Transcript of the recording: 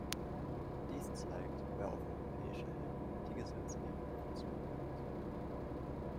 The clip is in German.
Dies zeigt, wer auf europäischer Ebene die Gesetzgebung verzögert.